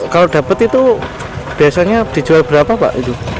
kalau dapat itu biasanya dijual berapa pak